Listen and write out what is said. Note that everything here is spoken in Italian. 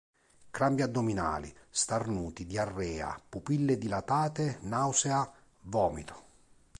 Crampi addominali, starnuti, diarrea, pupille dilatate, nausea, vomito.